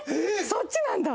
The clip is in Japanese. そっちなんだ！